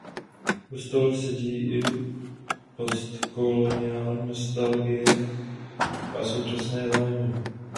U stolu sedí i postkoloniální nostalgie a současné zájmy.